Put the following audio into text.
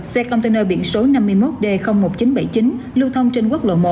xe container biển số năm mươi một d một nghìn chín trăm bảy mươi chín lưu thông trên quốc lộ một